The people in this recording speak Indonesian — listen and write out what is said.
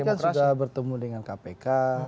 bang sandi kan sudah bertemu dengan kpk